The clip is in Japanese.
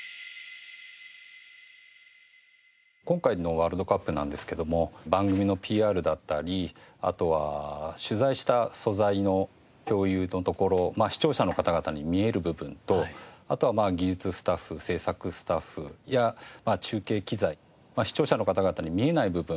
今回のワールドカップなんですけども番組のＰＲだったりあとは取材した素材の共有のところ視聴者の方々に見える部分とあとは技術スタッフ制作スタッフや中継機材視聴者の方々に見えない部分。